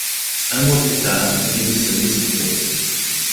Un mois plus tard, il démissionne de son poste.